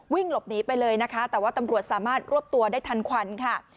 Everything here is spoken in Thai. วิ่งหลบหนีไปเลยนะคะแต่ว่าตำรวจสามารถรวบตัวได้ทันควันค่ะ